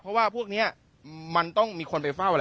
เพราะว่าพวกนี้มันต้องมีคนไปเฝ้า